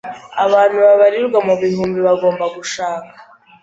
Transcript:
Abantu babarirwa mu bihumbi bagomba gushaka